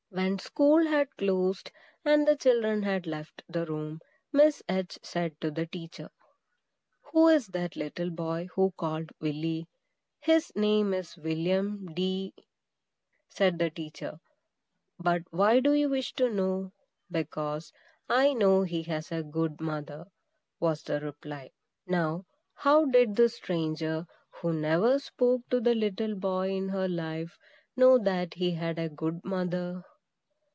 When school had closed, and the children had left the room, Miss H. said to the teacher, "Who is that little boy you called Willy?" "His name is William D ," said the teacher; "but why do you wish to know?" "Because I know he has a good mother," was the reply. Now, how did this stranger, who never spoke to the little boy in her life, know that he had a good mother?